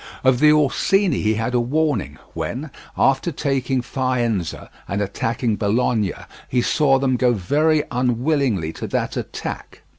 Of the Orsini he had a warning when, after taking Faenza and attacking Bologna, he saw them go very unwillingly to that attack.